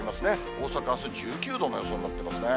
大阪あす１９度の予想になってますね。